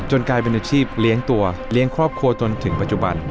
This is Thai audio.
กลายเป็นอาชีพเลี้ยงตัวเลี้ยงครอบครัวจนถึงปัจจุบัน